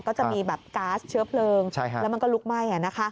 ก็จะมีแบบก๊าซเชื้อเพลิงแล้วมันก็ลุกไหม้